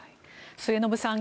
末延さん